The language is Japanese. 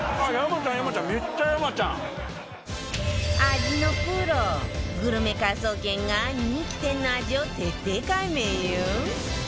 味のプログルメ科捜研が人気店の味を徹底解明よ